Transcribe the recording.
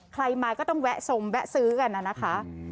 ใครมาก็ต้องแวะทรงแวะซื้อกันนะคะ